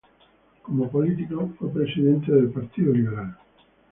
Como político, fue presidente del Partido Liberal.